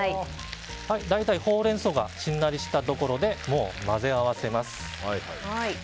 大体ホウレンソウがしんなりしたところで混ぜ合わせます。